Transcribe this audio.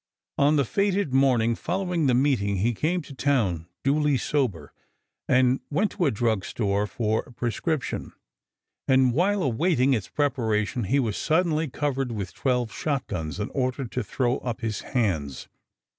On the fated morning following the meeting he came to town duly sober and went to a drug store for a prescription, and while awaiting its preparation he was suddenly covered with twelve shotguns and ordered to throw up his hands.